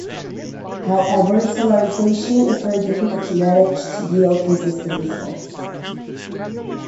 However, solarisation is very difficult to manage to yield consistent results.